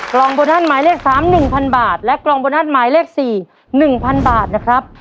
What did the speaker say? กล้องโบนัสหมายเลขสามหนึ่งพันบาทและกล้องโบนัสหมายเลขสี่หนึ่งพันบาทนะครับ